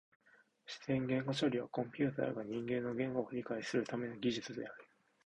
自然言語処理はコンピュータが人間の言語を理解するための技術である。